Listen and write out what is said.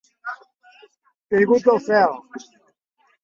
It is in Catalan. Caigut del cel.